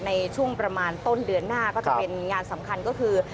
ในช่วงประมาณต้นเดือนหน้าก็จะเป็นงานสำคัญก็คือ